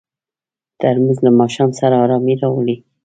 ترموز له ماښام سره ارامي راوړي.